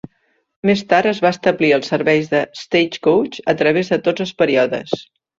Més tard es va establir el servei de Stagecoach a través de tots els períodes.